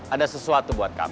ada sesuatu buat kamu